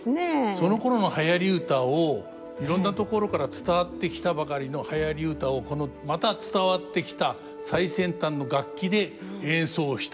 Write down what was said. そのころのはやり歌をいろんな所から伝わってきたばかりのはやり歌をこのまた伝わってきた最先端の楽器で演奏した。